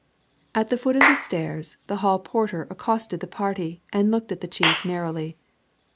At the foot of the stairs the hall porter accosted the party and looked at the chief narrowly.